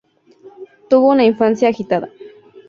Tuvo una infancia agitada.